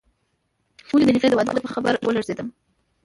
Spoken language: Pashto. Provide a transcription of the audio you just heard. ولې د هغې د واده په خبر ولړزېدم.